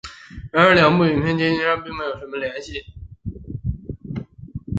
然而两部影片在情节上并没有什么联系。